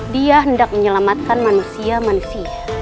dia hendak menyelamatkan manusia manusia